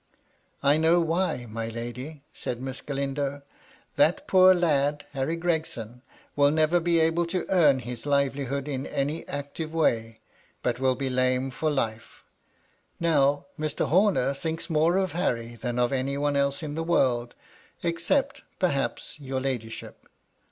" I know why, my lady," said Miss Galindo. " That poor lad, Harry Gregson, will never be able to earn his livelihood in any active way, but will be lame for life. Now, Mr. Homer thinks more of Harry than of any one else in the world, — except, perhaps, your ladyship."